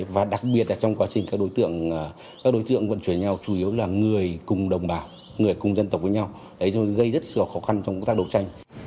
và đặc biệt trong quá trình các đối tượng vận chuyển nhau chủ yếu là người cùng đồng bào người cùng dân tộc với nhau gây rất khó khăn trong công tác đấu tranh